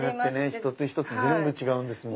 一つ一つ全部違うんですもんね。